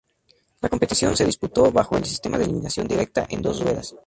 La competición se disputó bajo el sistema de eliminación directa, en dos ruedas.